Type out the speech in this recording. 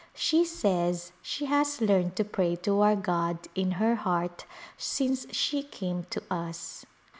She says she has learned to pray to our God in her heart since she came to us.